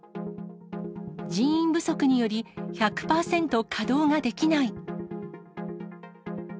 人員不足により１００％稼働ができない。